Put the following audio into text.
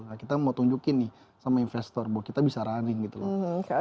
nah kita mau tunjukin nih sama investor bahwa kita bisa running gitu loh